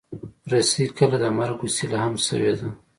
رسۍ کله د مرګ وسیله هم شوې ده.